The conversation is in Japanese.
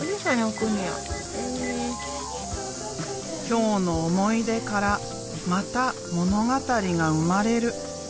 今日の思い出からまた物語が生まれる。